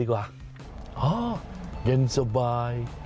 ดีกว่าเย็นสบาย